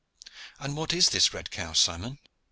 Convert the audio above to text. "And what is this red cow, Simon?"